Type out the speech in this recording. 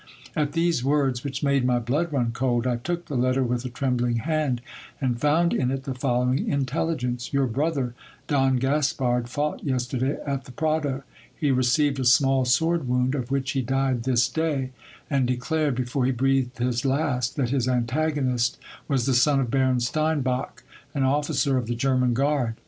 At these words, which made my blood run cold, I took the letter with a trembling hand, and found in it the following intelligence :" Your brother, Don Gaspard, fought yesterday at the Prado. He received a small sword wound, of which he died this day : and declared, before he breathed his last, that his antagonist was the son of Baron Steinbach, an officer of the German guard.